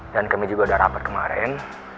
dan kami juga udah rapat kemarin